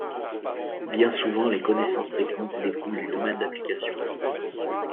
Bien souvent les connaissances techniques découlent du domaine d'application.